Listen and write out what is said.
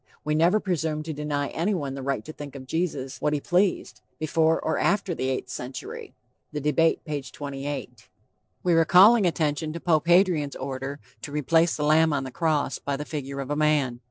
We never presumed to deny anyone the right to think of Jesus what he pleased, before or after the eighth century. (The Debate, p. 28.) We were calling attention to Pope Hadrian's order to replace the lamb on the cross by the figure of a man.